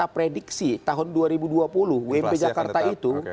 prediksi tahun dua ribu dua puluh wmp jakarta itu